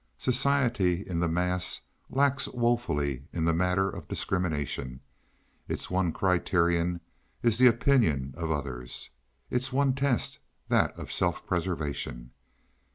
Society, in the mass, lacks woefully in the matter of discrimination. Its one criterion is the opinion of others. Its one test that of self preservation.